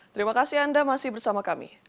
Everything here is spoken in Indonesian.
terima kasih anda masih bersama kami